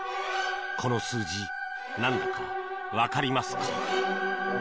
この数字、何だか分かりますか？